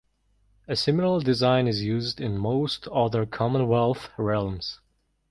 A similar design is used in most other Commonwealth realms.